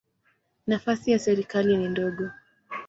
Nafasi ya serikali ni ndogo.